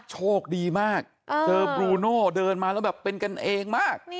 โชคดีมากเจอบลูโน่เดินมาแล้วแบบเป็นกันเองมาก